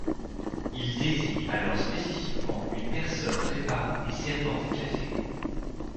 Il désigne alors spécifiquement une personne préparant et servant des cafés.